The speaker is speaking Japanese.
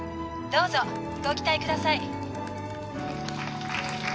どうぞご期待ください